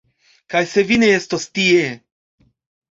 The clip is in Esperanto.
Kaj se vi ne estos tie!